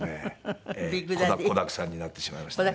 子だくさんになってしまいましたね。